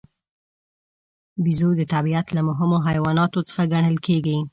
بیزو د طبیعت له مهمو حیواناتو څخه ګڼل کېږي.